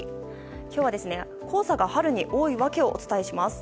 今日は、黄砂が春に多いわけをお伝えします。